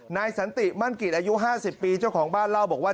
นายสันติมั่นกิจอายุ๕๐ปีเจ้าของบ้านเล่าบอกว่า